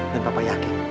dan papa yakin